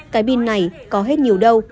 cái pin này có hết nhiều đâu